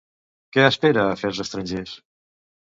Què espera Afers estrangers?